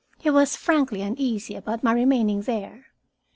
He was frankly uneasy about my remaining there.